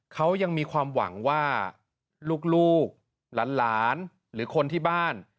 เขายังมีความหวังว่าลูกหลานหรือคนที่บ้าน